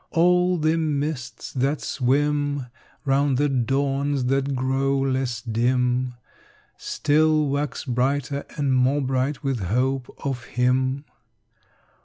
All the mists that swim Round the dawns that grow less dim Still wax brighter and more bright with hope of him.